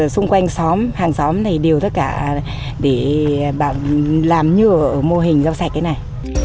xung quanh xóm hàng xóm thì đều tất cả để làm như ở mô hình rau sạch cái này